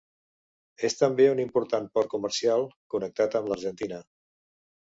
És també un important port comercial, connectat amb l'Argentina.